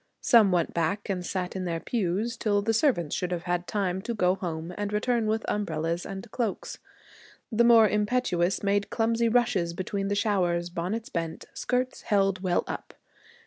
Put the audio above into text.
Some went back and sat in their pews till the servants should have had time to go home and return with umbrellas and cloaks. The more impetuous made clumsy rushes between the showers, bonnets bent, skirts held well up.